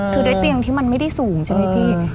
คือด้วยเตียงที่มันไม่ได้สูงใช่ไหมพี่